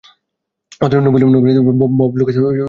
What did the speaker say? অর্থনীতিতে নোবেল বিজয়ী Bob Lucas তার সহপাঠী ছিলেন।